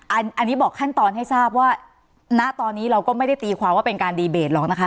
อันนี้บอกขั้นตอนให้ทราบว่าณตอนนี้เราก็ไม่ได้ตีความว่าเป็นการดีเบตหรอกนะคะ